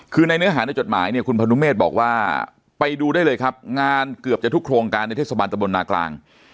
คือในเนื้อหาในจดหมายเนี่ยคุณพนุเมฆบอกว่าไปดูได้เลยครับงานเกือบจะทุกโครงการในเทศบาลตะบนนากลาง